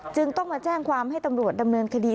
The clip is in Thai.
จึงต้องมาแจ้งความให้ตำรวจดำเนินคดี